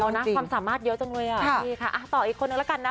นะความสามารถเยอะจังเลยอ่ะนี่ค่ะต่ออีกคนนึงแล้วกันนะ